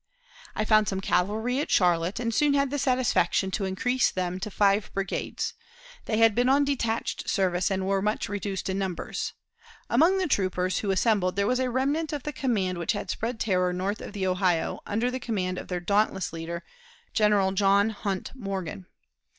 I found some cavalry at Charlotte, and soon had the satisfaction to increase them to five brigades, They had been on detached service, and were much reduced in numbers. Among the troopers who assembled there was the remnant of the command which had spread terror north of the Ohio, under the command of their dauntless leader, General John Hunt Morgan.